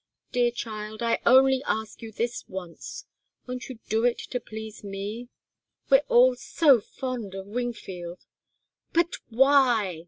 Dear child, I only ask you this once. Won't you do it to please me? We're all so fond of Wingfield " "But why?